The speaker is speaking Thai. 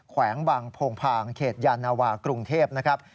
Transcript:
แขวงบางโพงพางเขตยานาวากรุงเทพนะครับ